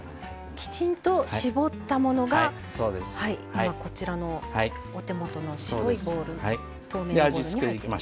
きちんと絞ったものが今こちらのお手元の透明のボウルに入っています。